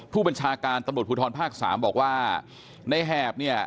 ผู้บัญชาการตำรวจภูทรภาคสามบอกว่าในแหบเนี่ย